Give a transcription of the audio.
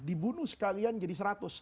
dibunuh sekalian jadi seratus